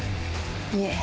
いえ。